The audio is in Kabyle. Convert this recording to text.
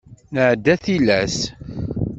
Nɛedda tilas.